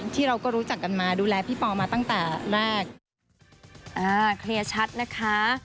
ที่เราก็รู้จักกันมาดูแลพี่ปอมาตั้งแต่แรกอ่าเคลียร์ชัดนะคะ